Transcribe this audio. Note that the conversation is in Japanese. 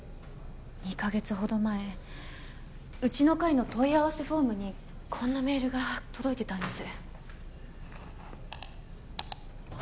２カ月ほど前うちの会の問い合わせフォームにこんなメールが届いてたんです